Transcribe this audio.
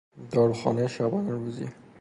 داروخانه شبانه روزی